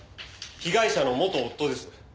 被害者の元夫です。